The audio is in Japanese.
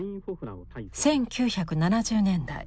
１９７０年代